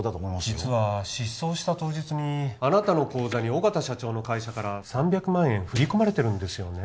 実は失踪した当日にあなたの口座に緒方社長の会社から３００万円振り込まれてるんですよね